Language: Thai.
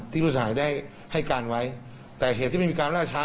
ผู้เสียหายได้ให้การไว้แต่เหตุที่ไม่มีการล่าช้า